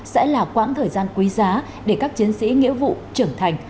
công an nhân dân việt nam sẽ là quãng thời gian quý giá để các chiến sĩ nghĩa vụ trưởng thành